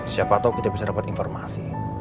siapa tau kita bisa dapet informasi